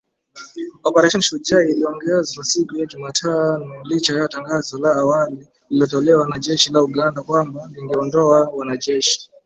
Operesheni Shujaa iliongezwa siku ya Jumatano licha ya tangazo la awali lililotolewa na jeshi la Uganda kwamba lingeondoa wanajeshi .